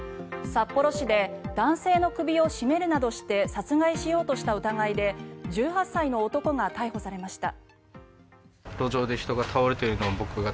札幌市で男性の首を絞めるなどして殺害しようとした疑いで１８歳の男が逮捕されました。